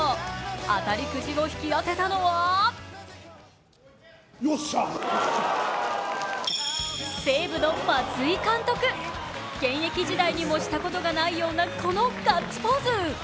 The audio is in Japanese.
当たりくじを引き当てたのは西武の松井監督、現役時代にもしたことのないようなこのガッツポーズ。